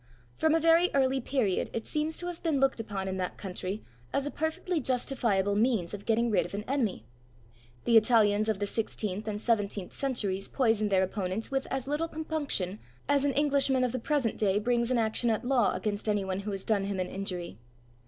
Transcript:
From a very early period, it seems to have been looked upon in that country as a perfectly justifiable means of getting rid of an enemy. The Italians of the sixteenth and seventeenth centuries poisoned their opponents with as little compunction as an Englishman of the present day brings an action at law against any one who has done him an injury.